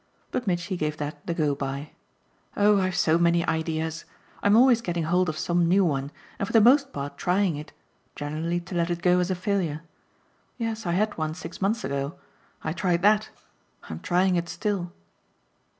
But Mitchy gave that the go by. "Oh I've so many 'ideas'! I'm always getting hold of some new one and for the most part trying it generally to let it go as a failure. Yes, I had one six months ago. I tried that. I'm trying it still."